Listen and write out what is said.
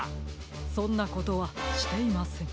そんなことはしていません。